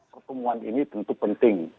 pertemuan ini tentu penting